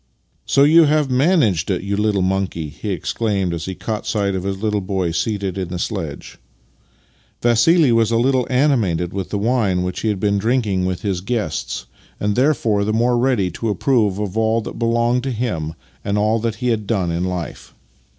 " So you have managed it, you little monkey? " he exclaimed as he caught sight of his little boy seated in the sledge. Vassili was a little animated with the wine which he had been drinking with his guests, Master and Man 7 and therefore the more ready to approve of all that belonged to him and all that he had done in life.